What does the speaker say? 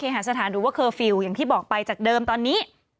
หาสถานหรือว่าเคอร์ฟิลล์อย่างที่บอกไปจากเดิมตอนนี้